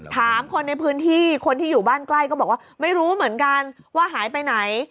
ถามคนในพื้นที่คนที่อยู่บ้านใกล้ก็บอกว่าไม่รู้เหมือนกันว่าหายไปไหน